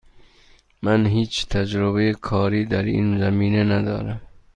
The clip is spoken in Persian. من هیچ تجربه کاری در این زمینه ندارم.